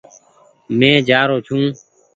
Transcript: مينٚ جآرو ڇوٚنٚ